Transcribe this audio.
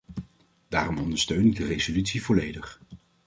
Daarom ondersteun ik de resolutie volledig.